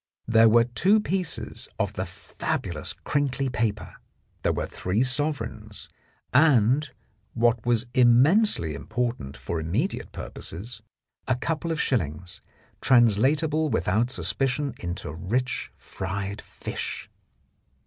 There were two pieces of the fabulous crinkly paper, there were three sovereigns, and, what was immensely important for immediate purposes, a couple of shillings, translatable without suspicion into rich fried fish.